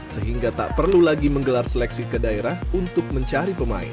sehingga tak perlu lagi menggelar seleksi ke daerah untuk mencari pemain